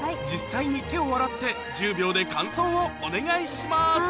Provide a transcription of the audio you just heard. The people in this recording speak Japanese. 実際に手を洗って１０秒で感想をお願いします